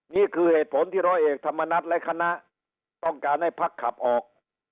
นี่คือเหตุผลที่ร้อยเอกธรรมนัฏและคณะต้องการให้พักขับออก